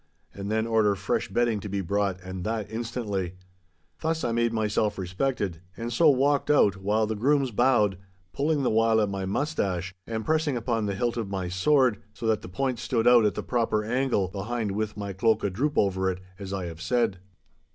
And then order fresh bedding to be brought, and that instantly. Thus I made myself respected, and so walked out, while the grooms bowed, pulling the while at my moustache and pressing upon the hilt of my sword, so that the point stood out at the proper angle behind with my cloak a droop over it, as I have said.